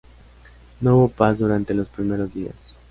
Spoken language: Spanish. No hubo paz durante los primeros días.